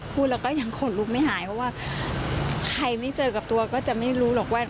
พูดแล้วก็ยังขนลุกไม่หายเพราะว่าใครไม่เจอกับตัวก็จะไม่รู้หรอกว่า